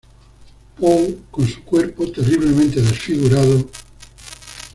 Paul con su cuerpo terriblemente desfigurado.